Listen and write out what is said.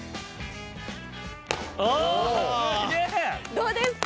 どうですか？